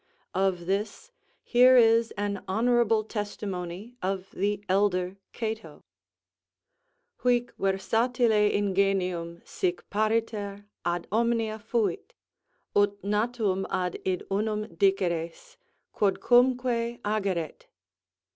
Of this here is an honourable testimony of the elder Cato: "Huic versatile ingenium sic pariter ad omnia fuit, ut natum ad id unum diceres, quodcumque ageret."